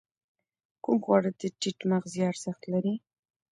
کوم خواړه د ټیټ مغذي ارزښت لري؟